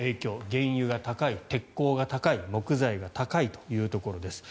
原油が高い、鉄鋼が高い木材が高いというところです。